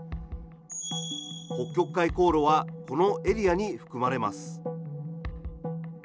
北極海航路はこのエリアに含まれます。